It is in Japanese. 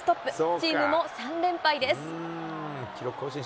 チームも３連敗です。